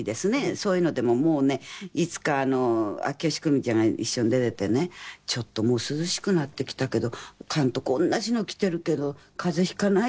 そういうのでももうねいつか秋吉久美子ちゃんが一緒に出ててね「ちょっともう涼しくなってきたけど監督同じの着てるけど風邪引かない？」